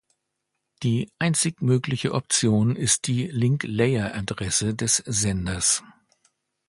Die einzig mögliche Option ist die Link-Layer-Adresse des Senders.